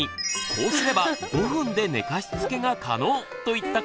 こうすれば５分で寝かしつけが可能！といった